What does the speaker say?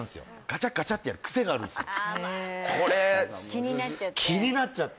ガチャガチャってやる癖があるんすよ